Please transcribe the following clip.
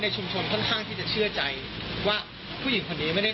ช่วงที่ทำงานมันจะมีบางช่วงที่เขาขาดยา